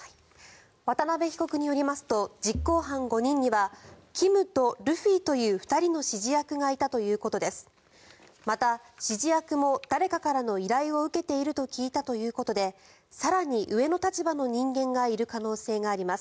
渡邊被告によりますと実行犯５人にはキムとルフィという２人の指示役がいたということです。